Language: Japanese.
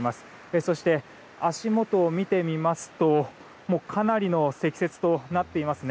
そして、足元を見てみますとかなりの積雪となっていますね。